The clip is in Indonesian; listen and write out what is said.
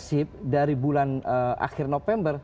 sebenarnya itu sudah dilakukan